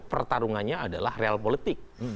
pertarungannya adalah real politik